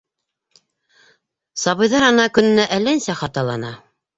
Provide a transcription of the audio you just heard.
- Сабыйҙар, ана, көнөнә әллә нисә хаталана.